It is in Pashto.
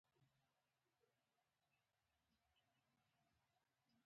د روغبړ په حال کې ټکټ را وایست.